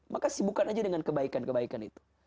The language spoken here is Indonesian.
maka sibukkan aja dengan kebaikan kebaikan itu